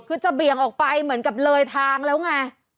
คือจะเบี่ยงออกไปเหมือนกับเลยทางแล้วไง